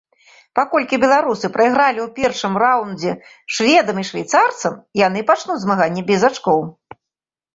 Паколькі беларусы прайгралі ў першым раўндзе шведам і швейцарцам, яны пачнуць змаганне без ачкоў.